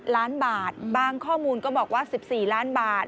ล้านบาทบางข้อมูลก็บอกว่า๑๔ล้านบาท